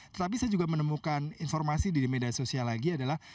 tetapi saya juga menemukan informasi di media sosial lagi adalah